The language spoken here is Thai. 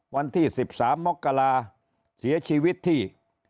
วันที่๑๓มกราเสียชีวิตที่